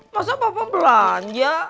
masa papa belanja